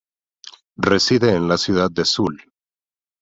Reside en la ciudad de Suhl.